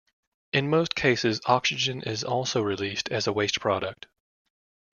In most cases, oxygen is also released as a waste product.